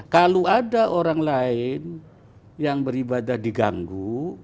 kalau ada orang lain yang beribadah diganggu